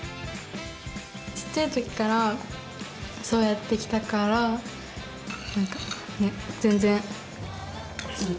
ちっちゃいときからそうやってきたからなんかね全然普通です。